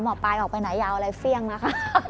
หมอปลายออกไปไหนอย่าเอาอะไรเฟี่ยงนะคะ